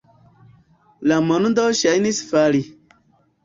La mondo ŝajnis fali.